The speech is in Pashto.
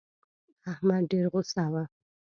احمد ډېر غوسه و.